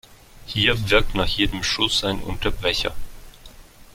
Hier wirkt nach jedem Schuss ein Unterbrecher.